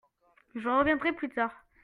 Je reviendrai plus tard.